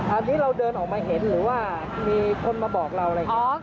อันนี้เราเดินออกมาเห็นหรือว่ามีคนมาบอกเราอะไรอย่างนี้